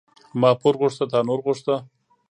ما پور غوښته، تا نور غوښته.